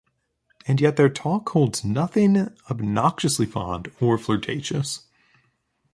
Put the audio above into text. And yet their talk holds nothing obnoxiously fond or flirtatious.